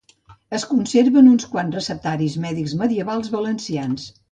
Es conserven uns quants receptaris mèdics medievals valencians.